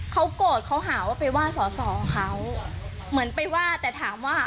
เขาโกรธเขาหาว่าไปว่าสอสอเขาเหมือนไปว่าแต่ถามว่า